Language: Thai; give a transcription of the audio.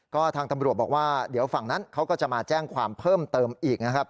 ก็ทางตำรวจบอกว่าเดี๋ยวฝั่งนั้นเขาก็จะมาแจ้งความเพิ่มเติมอีกนะครับ